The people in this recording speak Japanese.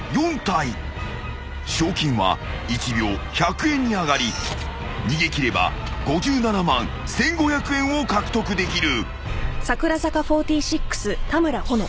［賞金は１秒１００円に上がり逃げ切れば５７万１，５００円を獲得できる］